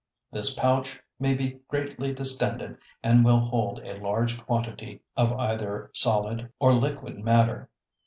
This pouch may be greatly distended and will hold a large quantity of either solid or liquid matter.